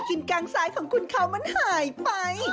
กินกลางซ้ายของคุณเขามันหายไป